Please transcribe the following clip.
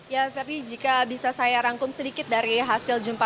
ya ferdi jika bisa saya rangkum sedikit dari hasil jumpa